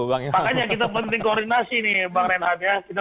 makanya kita belum ada koordinasi nih bang renhad ya